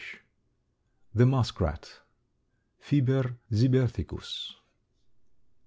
] THE MUSKRAT. (_Fiber Zibethicus.